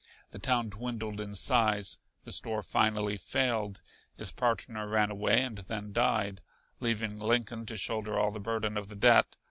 The town dwindled in size; the store finally failed; his partner ran away and then died, leaving Lincoln to shoulder all the burden of the debt.